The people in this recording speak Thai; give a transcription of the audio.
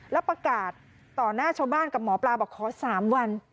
แล้วประกาศต่อหน้าชาวบ้านกับหมอปลาบอกขอ๓วัน